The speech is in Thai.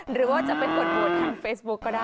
หรือว่าจะไปกดโหวตทางเฟซบุ๊คก็ได้